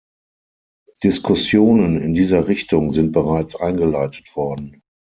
Diskussionen in dieser Richtung sind bereits eingeleitet worden.